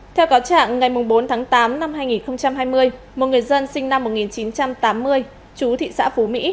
theo cáo trạng ngày bốn tháng tám năm hai nghìn hai mươi một người dân sinh năm một nghìn chín trăm tám mươi chú thị xã phú mỹ